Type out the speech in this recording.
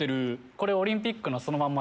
これオリンピックのそのまま。